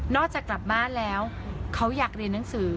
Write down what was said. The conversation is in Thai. จากกลับบ้านแล้วเขาอยากเรียนหนังสือ